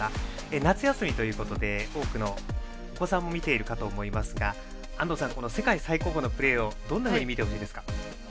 夏休みということで多くのお子さんも見ているかと思いますが安藤さん、世界最高峰のプレーをどんなふうに見てほしいですか。